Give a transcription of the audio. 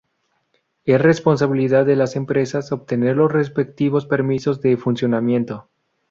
Es responsabilidad de las empresas obtener los respectivos permisos de funcionamiento.